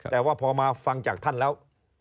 แต่ว่าพอมาฟังจากท่านแล้ว